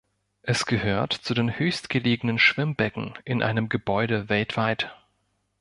Es gehört zu den höchstgelegenen Schwimmbecken in einem Gebäude weltweit.